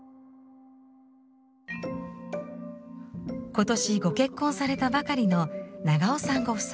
今年ご結婚されたばかりの永尾さんご夫妻。